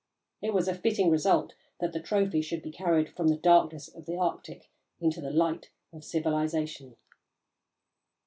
It was a fitting result that the trophy should be carried from the darkness of the Arctic into the light of civilisation.